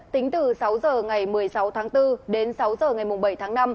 tính từ sáu h ngày một mươi sáu tháng bốn đến sáu h ngày bảy tháng năm